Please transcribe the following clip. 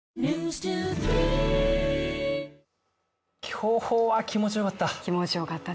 今日は気持ちよかった！